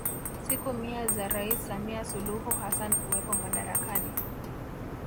Siku mia za Rais Samia Suluhu Hassan kuwepo madarakani